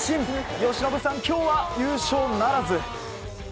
由伸さん、今日は優勝ならず。